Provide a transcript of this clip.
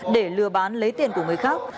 để lừa bán lấy tiền của người khác